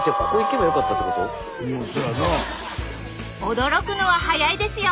驚くのは早いですよ！